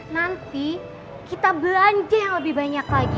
nanti kita belanja yang lebih banyak lagi